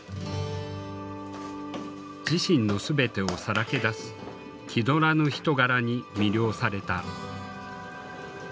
自身の全てをさらけ出す気取らぬ人柄に魅了された。